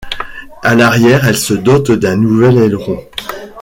À l'arrière, elle se dote d'un nouvel aileron.